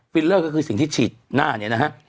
เลอร์ก็คือสิ่งที่ฉีดหน้านี้นะฮะ